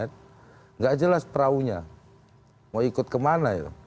nggak jelas peraunya mau ikut kemana